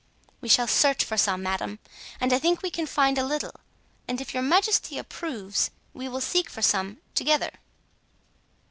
"We shall search for some, madame, and I think we can find a little, and if your majesty approves, we will seek for some together."